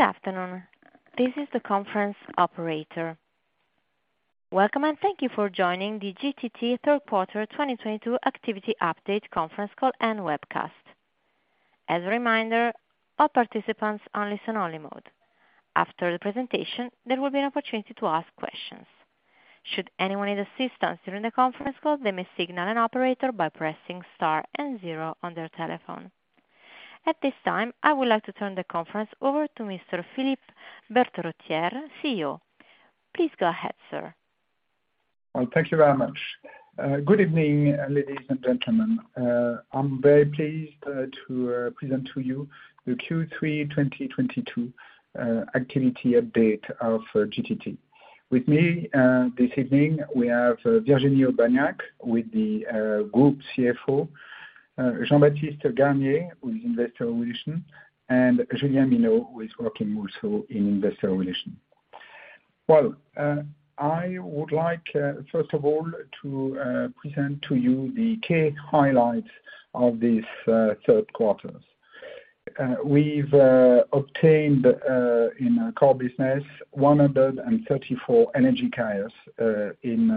Good afternoon. This is the conference operator. Welcome, and thank you for joining the GTT Third Quarter 2022 Activity Update conference call and webcast. As a reminder, all participants are in listen-only mode. After the presentation, there will be an opportunity to ask questions. Should anyone need assistance during the conference call, they may signal an operator by pressing star and zero on their telephone. At this time, I would like to turn the conference over to Mr. Philippe Berterottière, CEO. Please go ahead, sir. Well, thank you very much. Good evening, ladies and gentlemen. I'm very pleased to present to you the Q3 2022 activity update of GTT. With me this evening, we have Virginie Aubagnac, the Group CFO, Jean-Baptiste Garnier, who is Investor Relations, and Julien Mino, who is working also in Investor Relations. Well, I would like first of all to present to you the key highlights of this third quarter. We've obtained in our core business 134 LNG carriers in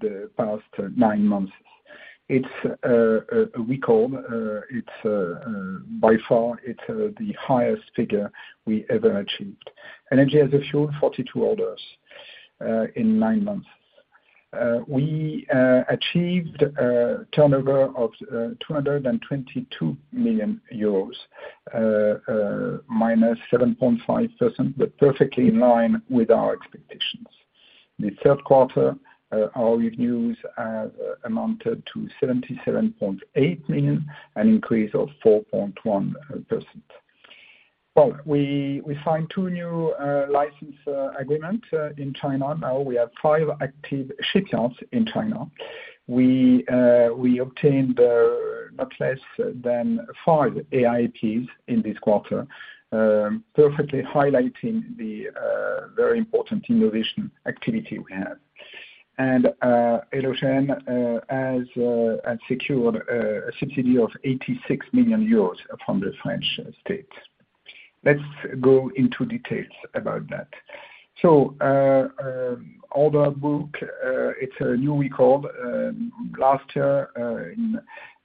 the past nine months. It's a record. It's by far the highest figure we ever achieved. LNG as fuel, 42 orders in nine months. We achieved a turnover of EUR 222 million, -7.5%, but perfectly in line with our expectations. The third quarter, our revenues have amounted to 77.8 million, an increase of 4.1%. Well, we find two new license agreement in China. Now we have five active shipyards in China. We obtained not less than five AIPs in this quarter, perfectly highlighting the very important innovation activity we have. Elogen has secured a subsidy of 86 million euros from the French state. Let's go into details about that. Order book, it's a new record. Last year,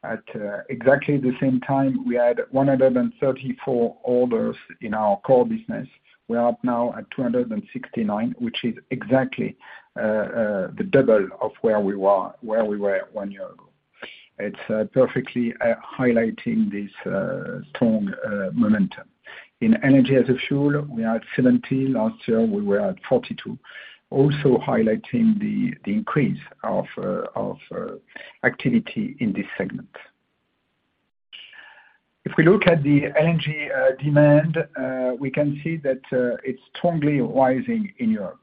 at exactly the same time, we had 134 orders in our core business. We are now at 269, which is exactly the double of where we were one year ago. It's perfectly highlighting this strong momentum. In energy as a fuel, we are at 17. Last year we were at 42. Also highlighting the increase of activity in this segment. If we look at the energy demand, we can see that it's strongly rising in Europe.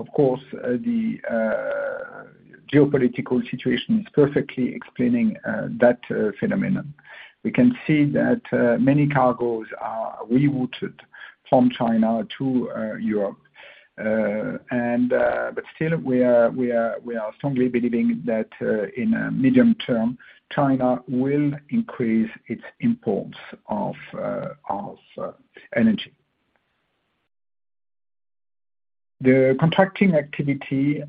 Of course, the geopolitical situation is perfectly explaining that phenomenon. We can see that many cargos are rerouted from China to Europe. But still, we are strongly believing that in a medium term, China will increase its imports of energy. The contracting activity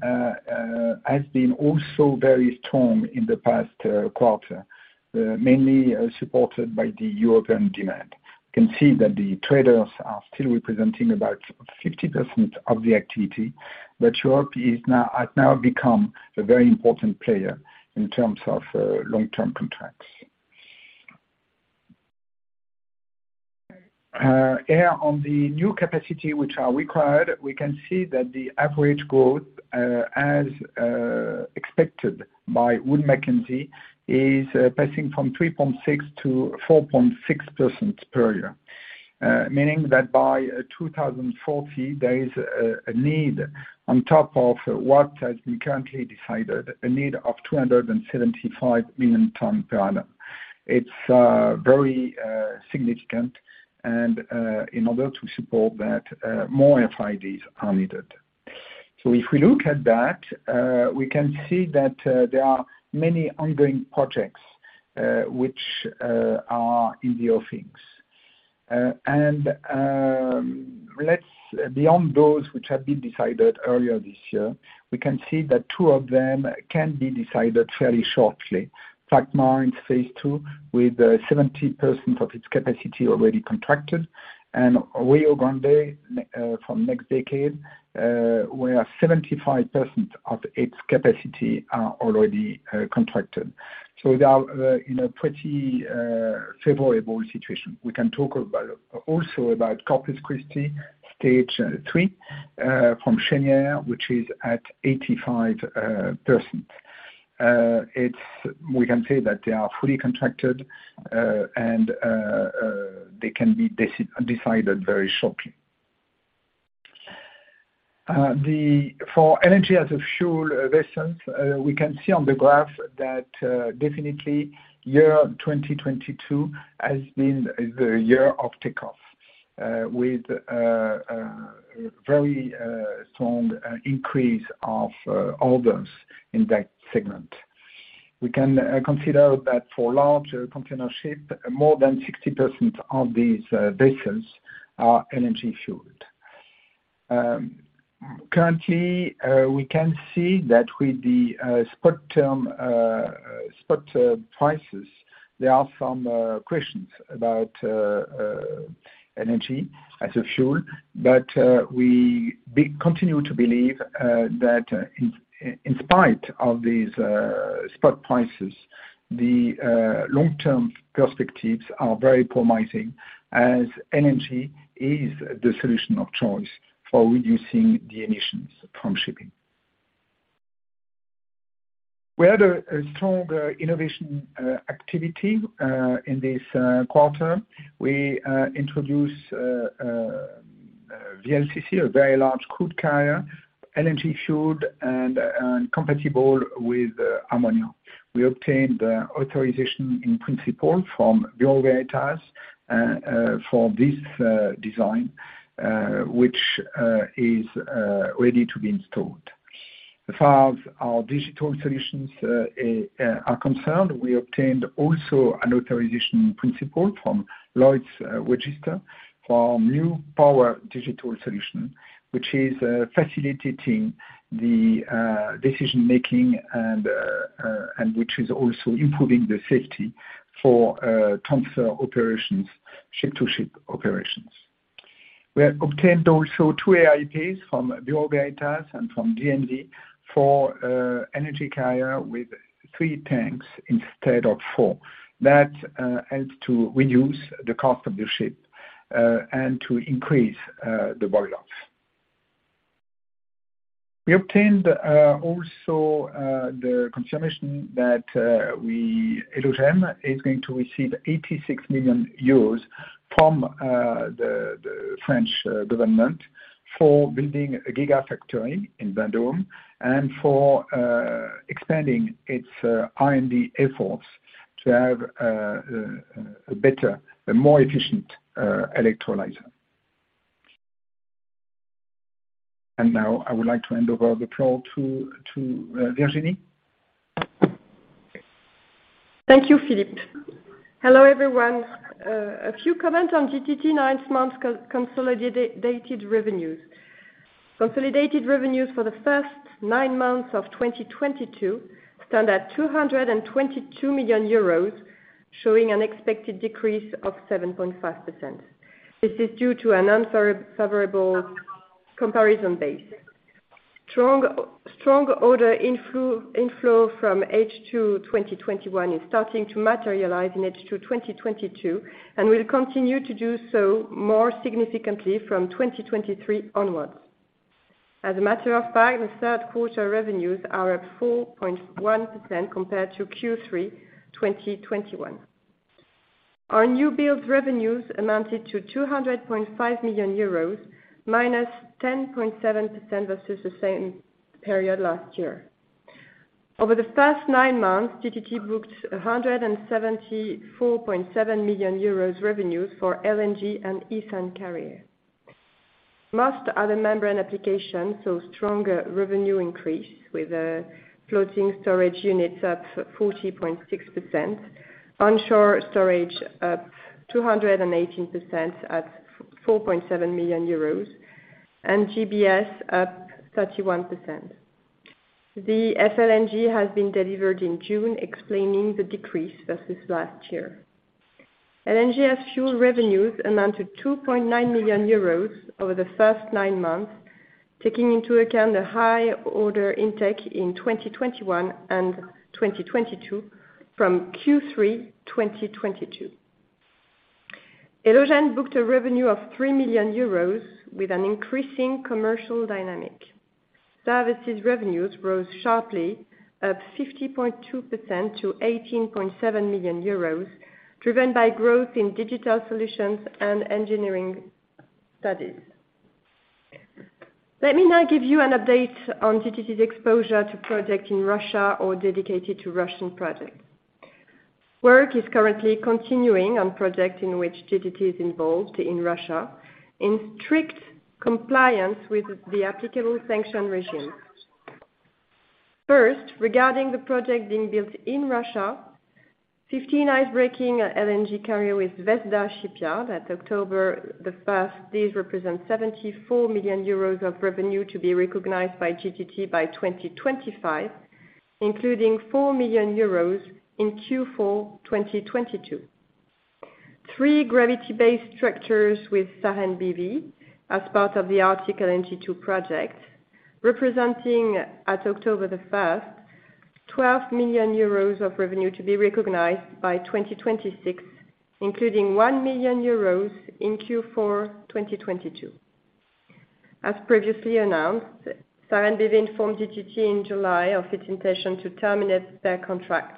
has been also very strong in the past quarter, mainly supported by the European demand. You can see that the traders are still representing about 50% of the activity, but Europe has now become a very important player in terms of long-term contracts. Regarding the new capacity which is required, we can see that the average growth, as expected by Wood Mackenzie, is passing from 3.6% to 4.6% per year. Meaning that by 2040, there is a need on top of what has been currently decided, a need of 275 million tons per annum. It's very significant and, in order to support that, more FIDs are needed. If we look at that, we can see that there are many ongoing projects which are in the offings. Beyond those which have been decided earlier this year, we can see that two of them can be decided fairly shortly. Plaquemines phase two, with 70% of its capacity already contracted, and Rio Grande from NextDecade, where 75% of its capacity are already contracted. They are in a pretty favorable situation. We can also talk about Corpus Christi stage three from Cheniere, which is at 85%. We can say that they are fully contracted, and they can be decided very shortly. For energy as a fuel recently, we can see on the graph that definitely year 2022 has been the year of takeoff with a very strong increase of orders in that segment. We can consider that for larger container ship, more than 60% of these vessels are LNG fueled. Currently, we can see that with the spot term prices, there are some questions about LNG as a fuel. We continue to believe that in spite of these spot prices, the long-term perspectives are very promising, as LNG is the solution of choice for reducing the emissions from shipping. We had a strong innovation activity in this quarter. We introduced VLCC, a very large crude carrier, LNG fueled and compatible with ammonia. We obtained authorization in principle from Bureau Veritas for this design which is ready to be installed. As far as our digital solutions are concerned, we obtained also an authorization in principle from Lloyd's Register for new POWER digital solution, which is facilitating the decision-making and which is also improving the safety for transfer operations, ship-to-ship operations. We have obtained also two AIPs from Bureau Veritas and from DNV for LNG carrier with three tanks instead of four. That helps to reduce the cost of the ship and to increase the boil off. We obtained also the confirmation that we... Elogen is going to receive 86 million euros from the French government for building a gigafactory in Vendôme, and for expanding its R&D efforts to have a better and more efficient electrolyzer. Now I would like to hand over the floor to Virginie. Thank you, Philippe. Hello, everyone. A few comments on GTT nine months consolidated revenues. Consolidated revenues for the first nine months of 2022 stand at 222 million euros, showing an expected decrease of 7.5%. This is due to an unfavorable comparison base. Strong order inflow from H2 2021 is starting to materialize in H2 2022, and will continue to do so more significantly from 2023 onwards. As a matter of fact, the third quarter revenues are up 4.1% compared to Q3 2021. Our new builds revenues amounted to 200.5 million euros, minus 10.7% versus the same period last year. Over the past nine months, GTT booked 174.7 million euros revenues for LNG and ethane carrier. Most other membrane applications saw stronger revenue increase with floating storage units up 14.6%, onshore storage up 218% at 4.7 million euros, and GBS up 31%. The FLNG has been delivered in June, explaining the decrease versus last year. LNG as fuel revenues amounted to 2.9 million euros over the first nine months, taking into account the high order intake in 2021 and 2022 from Q3 2022. Elogen booked a revenue of 3 million euros with an increasing commercial dynamic. Services revenues rose sharply by 50.2% to 18.7 million euros, driven by growth in digital solutions and engineering studies. Let me now give you an update on GTT's exposure to project in Russia or dedicated to Russian projects. Work is currently continuing on project in which GTT is involved in Russia, in strict compliance with the applicable sanction regime. First, regarding the project being built in Russia, 15 ice-breaking LNG carriers with Zvezda Shipyard as of October 1st, these represent 74 million euros of revenue to be recognized by GTT by 2025, including 4 million euros in Q4 2022. Three gravity-based structures with SAREN B.V. as part of the Arctic LNG 2 project, representing as of October 1st, 12 million euros of revenue to be recognized by 2026, including 1 million euros in Q4 2022. As previously announced, SAREN B.V. informed GTT in July of its intention to terminate their contract.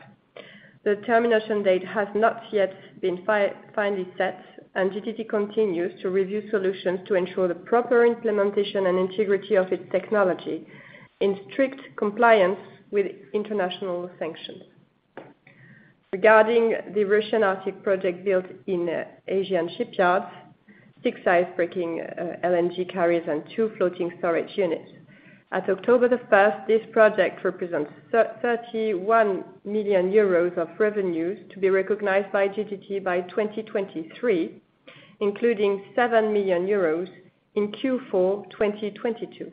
The termination date has not yet been finally set, and GTT continues to review solutions to ensure the proper implementation and integrity of its technology in strict compliance with international sanctions. Regarding the Russian Arctic project built in Asian shipyards, six ice-breaking LNG carriers and two floating storage units. As of October 1, this project represents 31 million euros of revenues to be recognized by GTT by 2023, including 7 million euros in Q4 2022.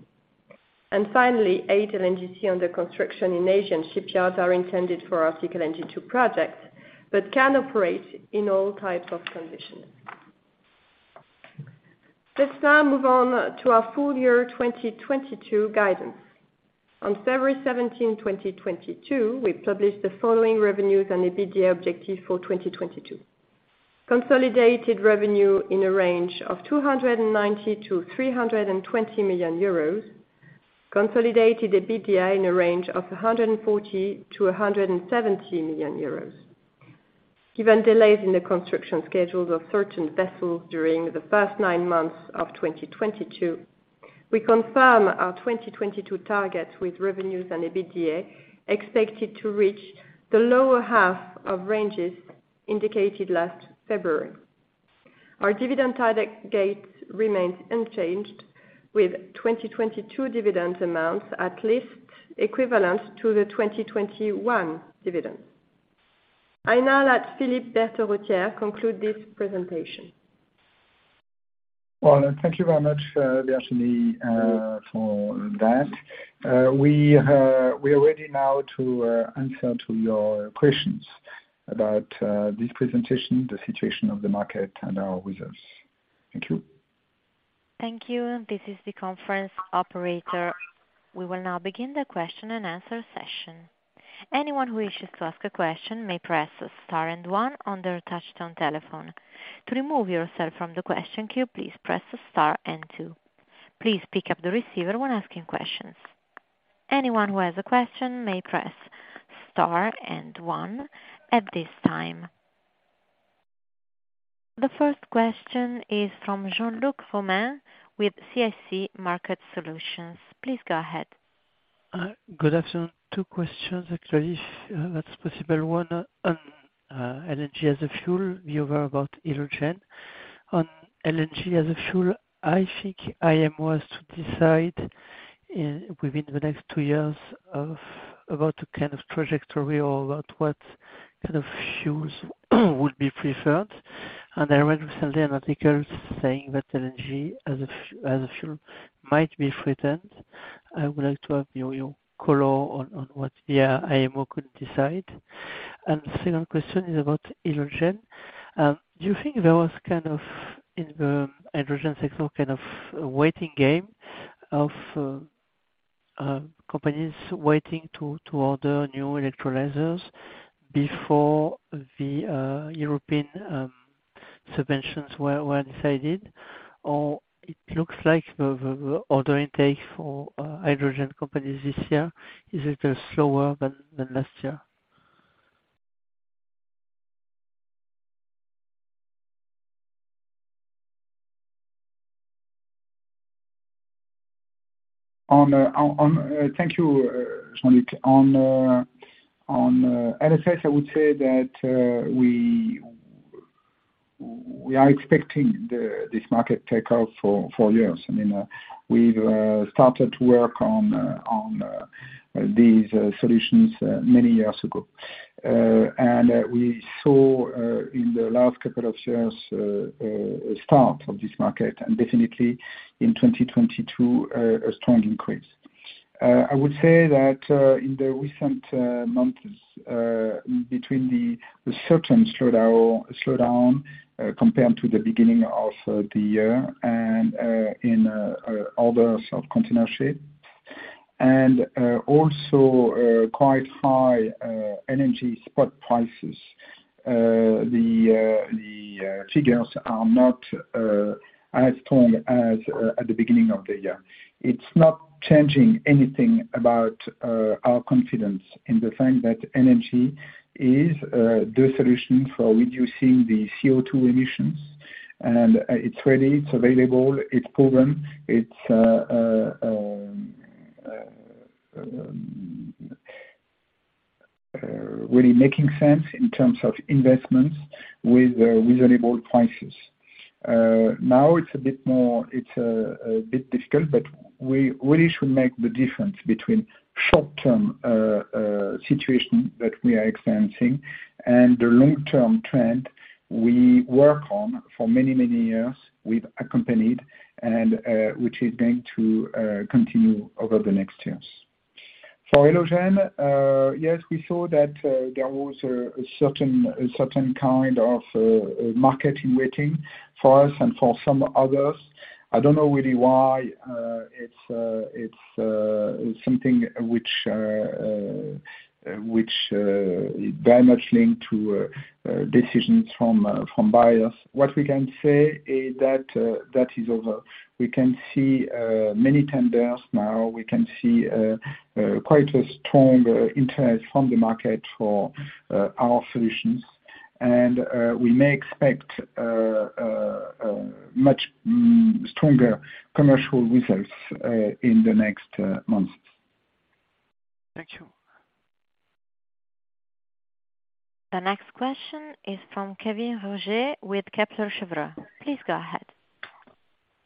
Finally, eight LNGs under construction in Asian shipyards are intended for our Arctic LNG 2 project, but can operate in all types of conditions. Let's now move on to our full year 2022 guidance. On February 17, 2022, we published the following revenues and EBITDA objective for 2022. Consolidated revenue in a range of 290 million-320 million euros, consolidated EBITDA in a range of 140 million-170 million euros. Given delays in the construction schedules of certain vessels during the first nine months of 2022, we confirm our 2022 targets with revenues and EBITDA expected to reach the lower half of ranges indicated last February. Our dividend target gate remains unchanged, with 2022 dividend amounts at least equivalent to the 2021 dividend. I now let Philippe Berterottière conclude this presentation. Well, thank you very much, Virginie, for that. We are ready now to answer to your questions about this presentation, the situation of the market and our results. Thank you. Thank you. This is the conference operator. We will now begin the question and answer session. Anyone who wishes to ask a question may press star and one on their touchtone telephone. To remove yourself from the question queue, please press star and two. Please pick up the receiver when asking questions. Anyone who has a question may press star and one at this time. The first question is from Jean-Luc Romain with CIC Market Solutions. Please go ahead. Good afternoon. Two questions actually, if that's possible. One on LNG as a fuel, the other about Elogen. On LNG as a fuel, I think IMO is to decide within the next two years about the kind of trajectory or about what kind of fuels would be preferred. I read recently an article saying that LNG as a fuel might be threatened. I would like to have your color on what the IMO could decide. The second question is about Elogen. Do you think there was kind of in the hydrogen sector kind of a waiting game of companies waiting to order new electrolyzers before the European subventions were decided? It looks like the order intake for hydrogen companies this year is a bit slower than last year. Thank you, Jean-Luc. LNG, I would say that we are expecting this market takeoff for years. I mean, we've started to work on these solutions many years ago. We saw in the last couple of years a start of this market, and definitely in 2022 a strong increase. I would say that in the recent months, between a certain slowdown compared to the beginning of the year and in other containership, and also quite high energy spot prices, the figures are not as strong as at the beginning of the year. It's not changing anything about our confidence in the fact that energy is the solution for reducing the CO2 emissions. It's ready, it's available, it's proven. It's really making sense in terms of investments with reasonable prices. Now it's a bit more, it's a bit difficult, but we really should make the difference between short-term situation that we are experiencing and the long-term trend we work on for many, many years with accompanied and which is going to continue over the next years. For Elogen, yes, we saw that there was a certain kind of marketing waiting for us and for some others. I don't know really why. It's something which very much linked to decisions from buyers. What we can say is that is over. We can see many tenders now. We can see quite a strong interest from the market for our solutions. We may expect much stronger commercial results in the next months. Thank you. The next question is from Kevin Roger with Kepler Cheuvreux. Please go ahead.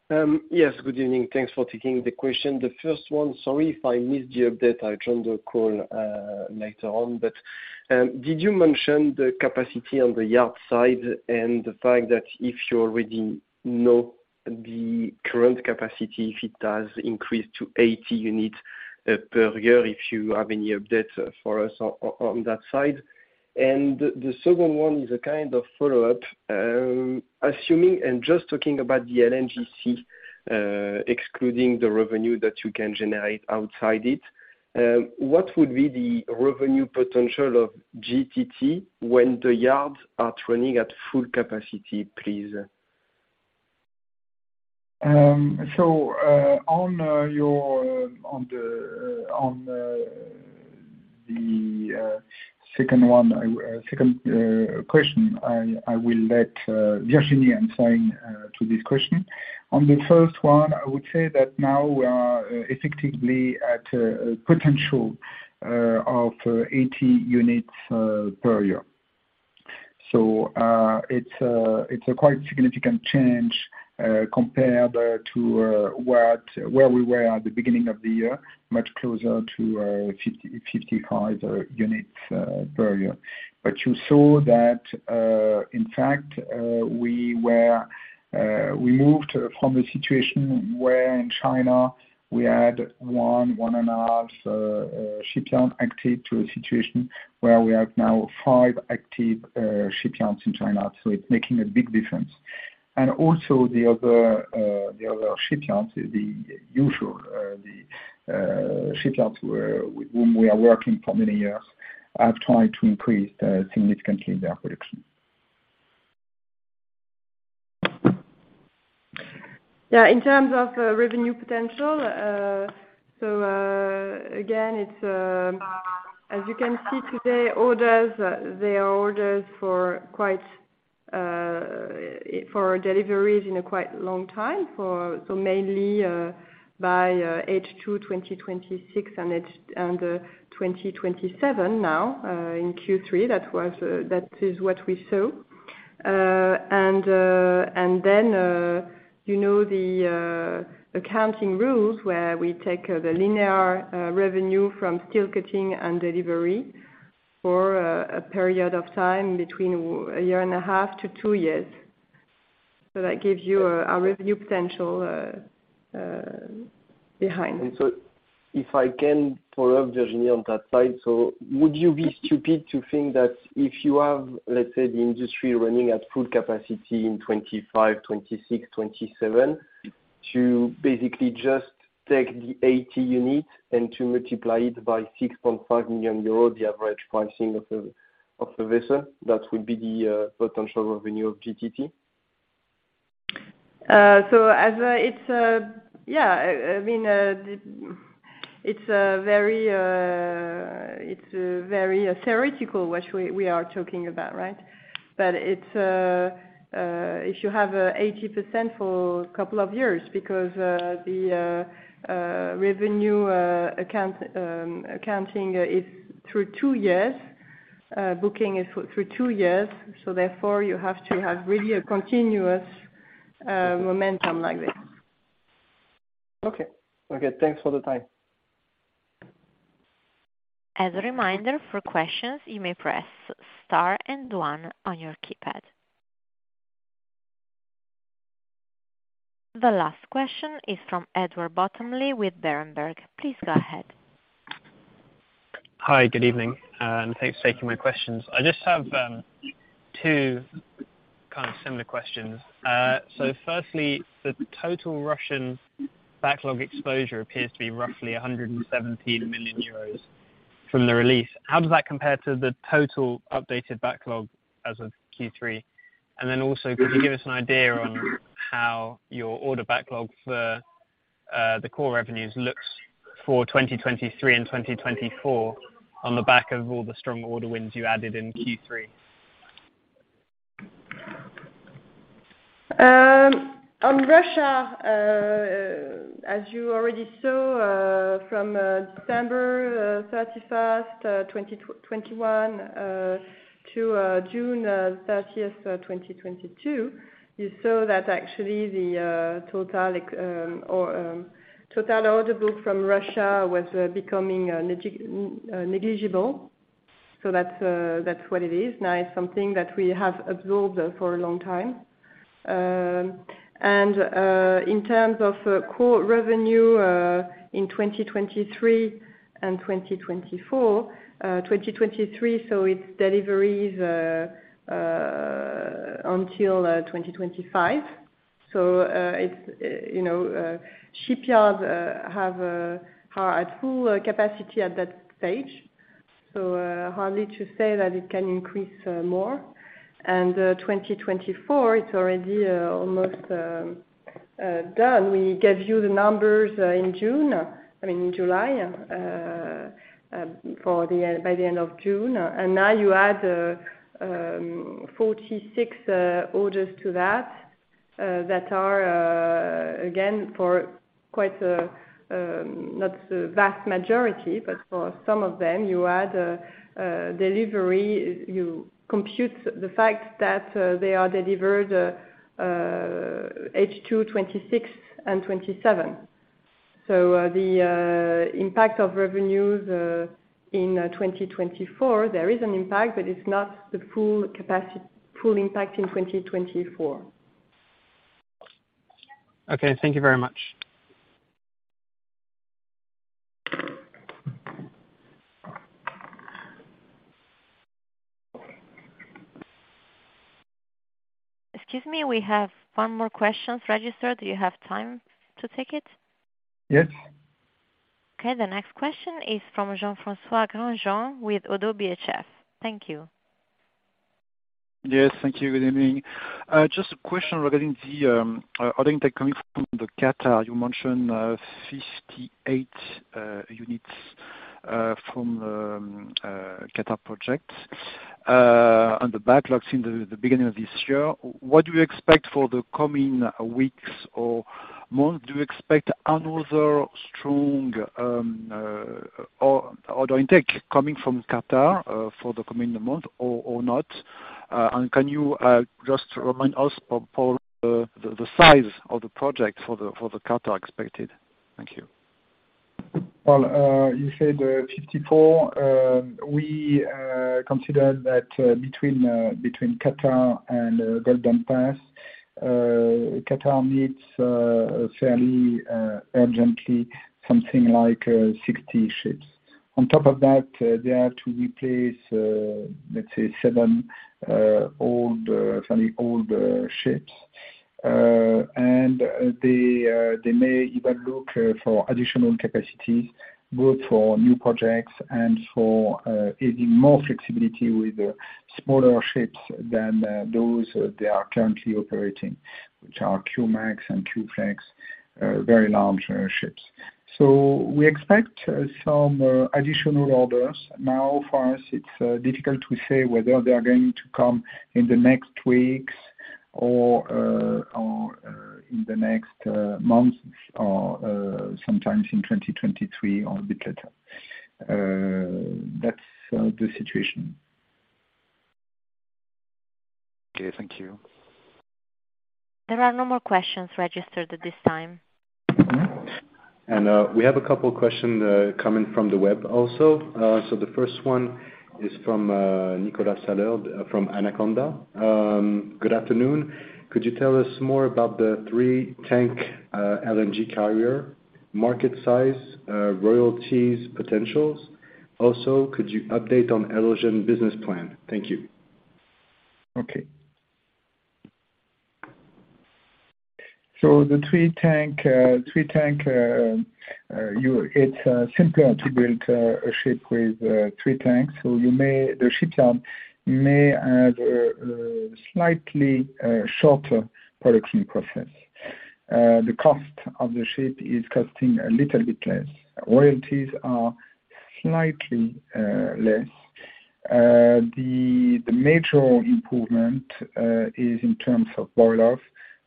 Yes. Good evening. Thanks for taking the question. The first one, sorry if I missed the update, I joined the call later on. Did you mention the capacity on the yard side and the fact that if you already know the current capacity, if it has increased to 80 units per year, if you have any updates for us on that side? The second one is a kind of follow-up. Assuming and just talking about the LNGC, excluding the revenue that you can generate outside it, what would be the revenue potential of GTT when the yards are running at full capacity, please? On the second question, I will let Virginie answer this question. On the first one, I would say that now we are effectively at a potential of 80 units per year. It's a quite significant change compared to where we were at the beginning of the year, much closer to 50-55 units per year. You saw that in fact we moved from a situation where in China we had 1.5 active shipyards to a situation where we have now 5 active shipyards in China. It's making a big difference. Also the other shipyards, the usual shipyards where with whom we are working for many years, have tried to increase significantly their production. Yeah. In terms of revenue potential, again, it's as you can see today. Orders, there are orders for deliveries in a quite long time, so mainly by H2 2026 and 2027. Now, in Q3 that is what we saw. Then, you know, the accounting rules where we take the linear revenue from steel cutting and delivery for a period of time between a year and a half to two years. That gives you our revenue potential behind. If I can follow up, Virginie, on that side. Would you be stupid to think that if you have, let's say, the industry running at full capacity in 2025, 2026, 2027, to basically just take the 80 units and to multiply it by 6.5 million euros, the average pricing of the vessel, that would be the potential revenue of GTT? It's very theoretical, which we are talking about, right? I mean, if you have 80% for a couple of years because the revenue accounting is through two years, booking is through two years, so therefore you have to have really a continuous momentum like this. Okay, thanks for the time. As a reminder, for questions you may press star and one on your keypad. The last question is from Edward Bottomley with Berenberg. Please go ahead. Hi, good evening, and thanks for taking my questions. I just have two kind of similar questions. Firstly, the total Russian backlog exposure appears to be roughly 117 million euros from the release. How does that compare to the total updated backlog as of Q3? Could you give us an idea on how your order backlog for the core revenues looks for 2023 and 2024 on the back of all the strong order wins you added in Q3? On Russia, as you already saw, from December 31, 2021, to June 30, 2022, you saw that actually the total order book from Russia was becoming negligible. That's what it is now. It's something that we have absorbed for a long time. In terms of core revenue in 2023 and 2024, 2023, it's deliveries until 2025. You know, shipyards are at full capacity at that stage, so hardly to say that it can increase more. 2024, it's already almost done. We gave you the numbers in June, I mean, in July for the end by the end of June, and now you add 46 orders to that. That are again for quite not vast majority, but for some of them, you add delivery. You compute the fact that they are delivered H2 2026 and 2027. The impact of revenues in 2024. There is an impact, but it's not the full capacity, full impact in 2024. Okay. Thank you very much. Excuse me. We have one more question registered. Do you have time to take it? Yes. Okay. The next question is from Jean-François Granjon with Oddo BHF. Thank you. Yes, thank you. Good evening. Just a question regarding the order intake coming from Qatar. You mentioned 58 units from the Qatar project on the backlogs in the beginning of this year. What do you expect for the coming weeks or months? Do you expect another strong order intake coming from Qatar for the coming month or not? Can you just remind us of the size of the project for the Qatar expected? Thank you. You said 54. We consider that between Qatar and Golden Pass, Qatar needs fairly urgently something like 60 ships. On top of that, they have to replace, let's say 7 old, fairly old ships. They may even look for additional capacity, both for new projects and for having more flexibility with smaller ships than those they are currently operating, which are Q-Max and Q-Flex, very large ships. We expect some additional orders. Now, for us, it's difficult to say whether they are going to come in the next weeks or in the next months or sometimes in 2023 or a bit later. That's the situation. Okay. Thank you. There are no more questions registered at this time. We have a couple questions coming from the web also. The first one is from Nicolas Sallier from Invest Securities. Good afternoon. Could you tell us more about the three tank LNG carrier market size royalties potentials? Also, could you update on Elogen business plan? Thank you. Okay. The three tank it's simpler to build a ship with three tanks. You may. The shipyard may have a slightly shorter production process. The cost of the ship is costing a little bit less. Royalties are slightly less. The major improvement is in terms of boil off.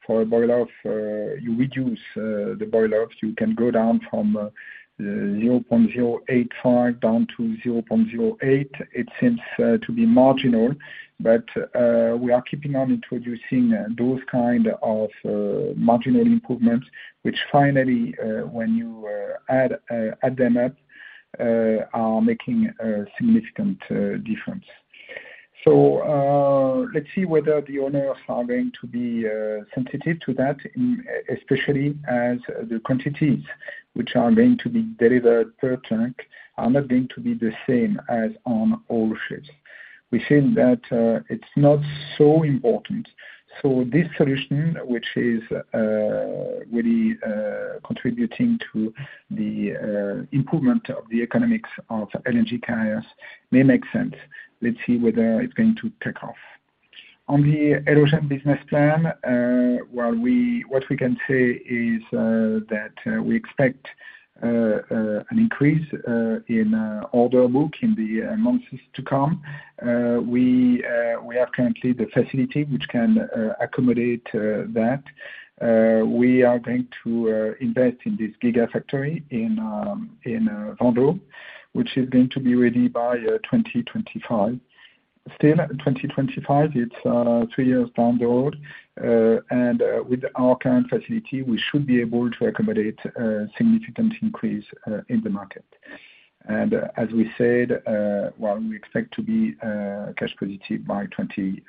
For a boil off, you reduce the boil off. You can go down from 0.085% down to 0.08%. It seems to be marginal, but we are keeping on introducing those kind of marginal improvements, which finally, when you add them up, are making a significant difference. Let's see whether the owners are going to be sensitive to that, especially as the quantities which are going to be delivered per tank are not going to be the same as on all ships. We think that it's not so important. This solution, which is really contributing to the improvement of the economics of LNG carriers may make sense. Let's see whether it's going to take off. On the Elogen business plan, well, what we can say is that we expect an increase in order book in the months to come. We have currently the facility which can accommodate that. We are going to invest in this gigafactory in Vendôme, which is going to be ready by 2025. Still, 2025, it's three years down the road. With our current facility, we should be able to accommodate a significant increase in the market. As we said, we expect to be cash positive by 2026.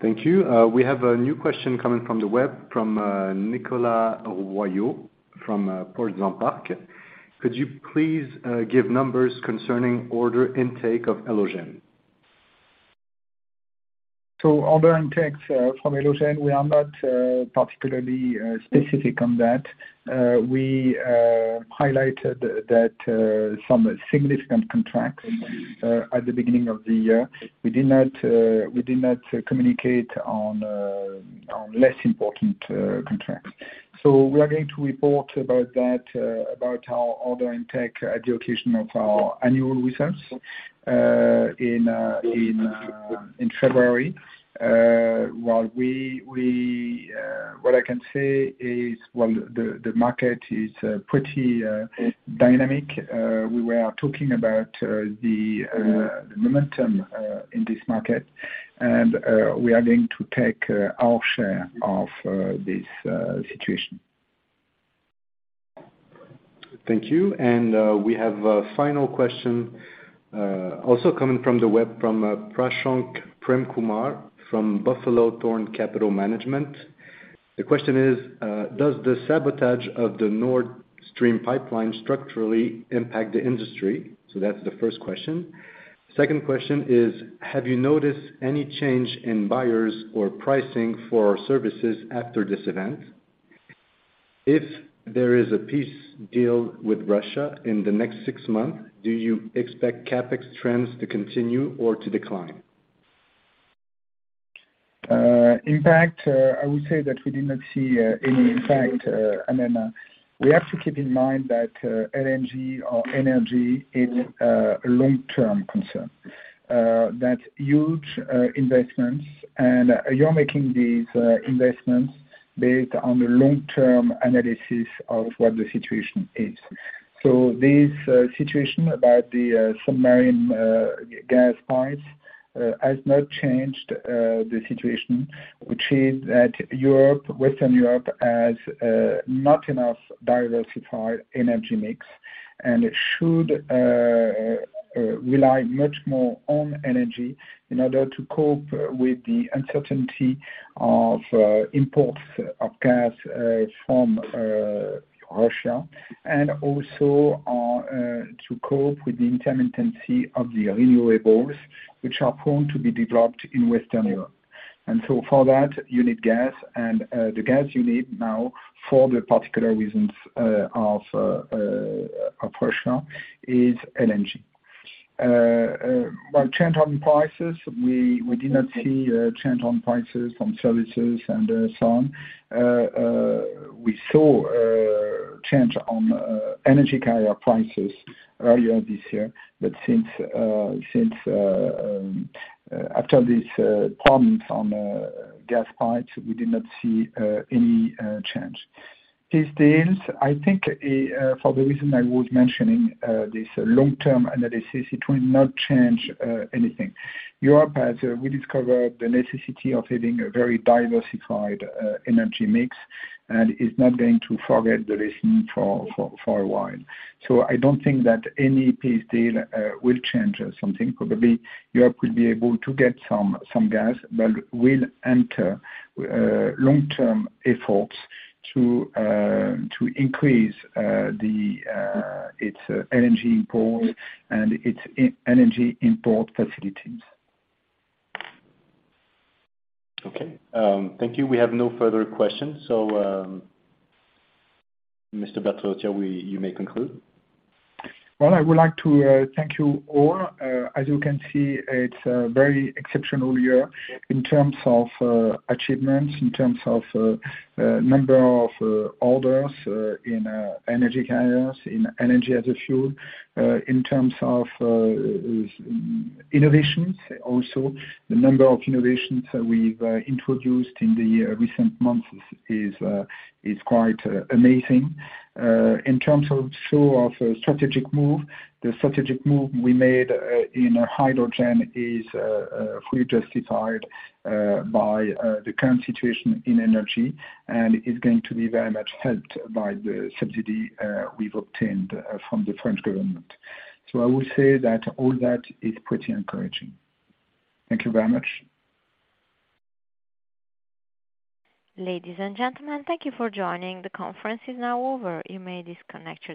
Thank you. We have a new question coming from the web from Nicolas Roye from Portzamparq. Could you please give numbers concerning order intake of Elogen? Order intakes from Elogen, we are not particularly specific on that. We highlighted that some significant contracts at the beginning of the year. We did not communicate on less important contracts. We are going to report about that, about our order intake on the occasion of our annual results in February. While we what I can say is, well, the market is pretty dynamic. We were talking about the momentum in this market and we are going to take our share of this situation. Thank you. We have a final question, also coming from the web from Prashant Premkumar from Buffalo Thorn Capital. The question is, does the sabotage of the Nord Stream pipeline structurally impact the industry? That's the first question. Second question is, have you noticed any change in buyers or pricing for services after this event? If there is a peace deal with Russia in the next six months, do you expect CapEx trends to continue or to decline? Impact, I would say that we did not see any impact. We have to keep in mind that LNG or energy is a long-term concern. That's huge investments. You're making these investments based on the long-term analysis of what the situation is. This situation about the submarine gas pipes has not changed the situation, which is that Europe, Western Europe has not enough diversified energy mix. It should rely much more on energy in order to cope with the uncertainty of imports of gas from Russia. Also to cope with the intermittency of the renewables which are prone to be developed in Western Europe. For that, you need gas. The gas you need now for the particular reasons of Russia is LNG. Well, change on prices. We did not see a change on prices on services and so on. We saw a change on energy carrier prices earlier this year. Since after this problems on gas pipes, we did not see any change. Peace deals, I think, for the reason I was mentioning, this long-term analysis, it will not change anything. Europe has rediscovered the necessity of having a very diversified energy mix and is not going to forget the lesson for a while. I don't think that any peace deal will change something. Probably Europe will be able to get some gas, but will enter long-term efforts to increase its LNG import and its energy import facilities. Okay. Thank you. We have no further questions. Mr. Berterottière, yeah, you may conclude. Well, I would like to thank you all. As you can see, it's a very exceptional year in terms of achievements, in terms of number of orders in energy carriers, in energy as a fuel. In terms of innovations also, the number of innovations that we've introduced in the recent months is quite amazing. In terms of our strategic move, the strategic move we made in hydrogen is fully justified by the current situation in energy and is going to be very much helped by the subsidy we've obtained from the French government. I would say that all that is pretty encouraging. Thank you very much. Ladies and gentlemen, thank you for joining. The conference is now over. You may disconnect your lines.